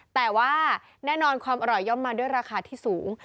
แต่ว่าแน่นอนความอร่อยย่อมมาด้วยราคาที่สูง